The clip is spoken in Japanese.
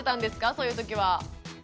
そういうときは。